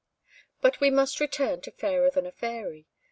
But we must return to Fairer than a Fairy.